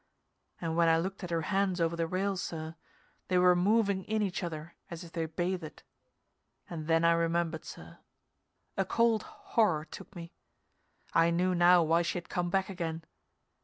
And when I looked at her hands over the rail, sir, they were moving in each other as if they bathed, and then I remembered, sir. A cold horror took me. I knew now why she had come back again.